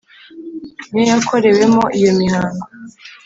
ni yo yakorewemo iyo mihango.